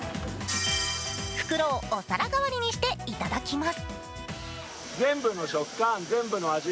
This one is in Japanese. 袋をお皿代わりにしていただきます。